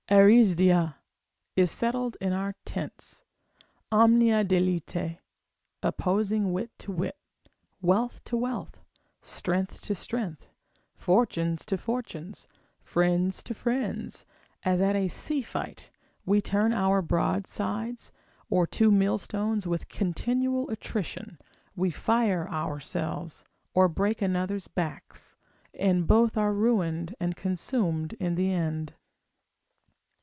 Eris dea is settled in our tents, Omnia de lite, opposing wit to wit, wealth to wealth, strength to strength, fortunes to fortunes, friends to friends, as at a sea fight, we turn our broadsides, or two millstones with continual attrition, we fire ourselves, or break another's backs, and both are ruined and consumed in the end.